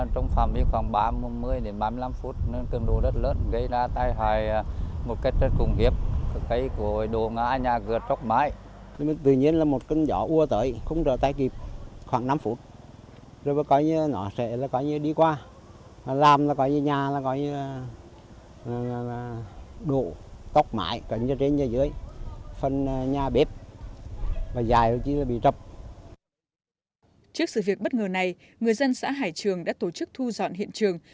trước sự việc bất ngờ này người dân xã hải trường đã tổ chức thu dọn hiện trường